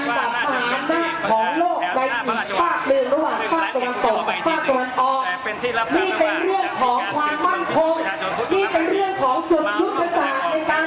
ว่าใครก็ไม่ไปบนธุมภาคนี้เอเชียส์แบรนด์ฮาเมริกา